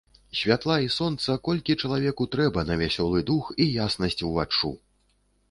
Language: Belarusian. Святла і сонца, колькі чалавеку трэба на вясёлы дух і яснасць уваччу.